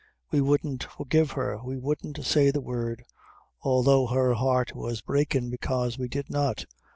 We wouldn't forgive her; we wouldn't say the word, although her heart was breakin' bekaise we did not.